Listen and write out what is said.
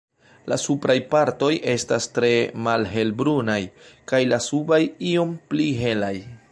La supraj partoj estas tre malhelbrunaj kaj la subaj iom pli helaj.